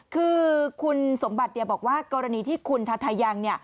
คือคุณสมบัติบอกว่ากรณีที่คุณทาทายัง